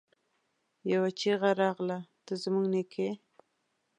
يوه چيغه راغله! ته زموږ نيکه يې!